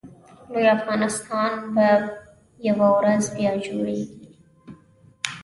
لوی افغانستان به یوه ورځ بیا جوړېږي